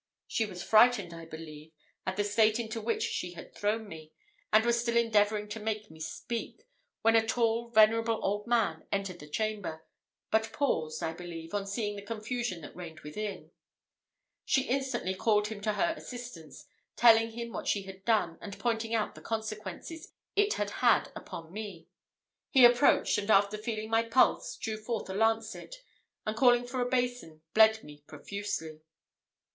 She was frightened, I believe, at the state into which she had thrown me, and was still endeavouring to make me speak, when a tall, venerable old man entered the chamber, but paused, I believe, on seeing the confusion that reigned within. She instantly called him to her assistance, telling him what she had done, and pointing out the consequences it had had upon me. He approached, and after feeling my pulse, drew forth a lancet, and, calling for a basin, bled me profusely.